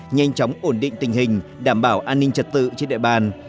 nhanh chóng ổn định tình hình đảm bảo an ninh trật tự trên địa bàn